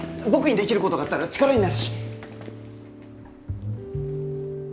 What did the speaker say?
僕にできる事があったら力になるし。